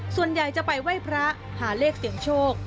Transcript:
ส่วนใหญ่จะไปไหว้พระหาเลขเสียงโชค